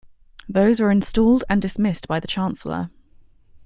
Those were installed and dismissed by the chancellor.